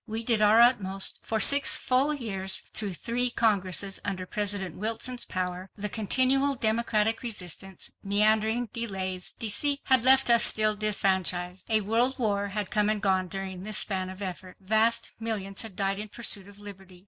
We did our utmost. For six full years, through three Congresses under President Wilson's power, the continual Democratic resistance, meandering, delays, deceits had left us still disfranchised. A world war had come and gone during this span of effort. Vast millions had died in pursuit of liberty.